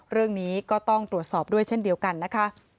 เรื่องนี้ก็ต้องตรวจสอบด้วยเช่นเดียวกันนะคะ